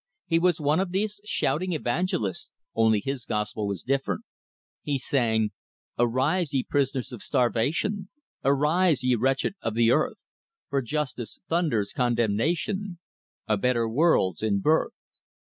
He was one of these shouting evangelists only his gospel was different. He sang: Arise, ye pris'ners of starvation! Arise, ye wretched of the earth! For justice thunders condemnation, A better world's in birth.